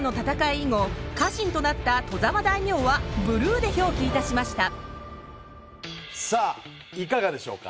以後家臣となった外様大名はブルーで表記いたしましたさあいかがでしょうか。